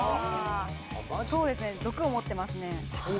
そうですね毒を持ってますね。